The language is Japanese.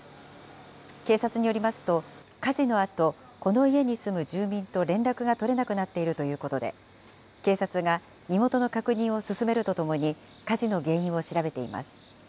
警察によりますと、火事のあとこの家に住む住民と連絡が取れなくなっているということで、警察が身元の確認を進めるとともに、火事の原因を調べています。